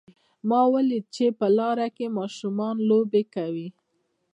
ما ولیدل چې په لاره کې ماشومان لوبې کوي